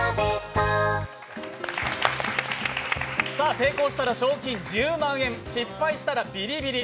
成功したら賞金１０万円、失敗したらビリビリ！